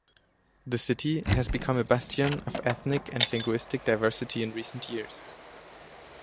The city has become a bastion of ethnic and linguistic diversity in recent years.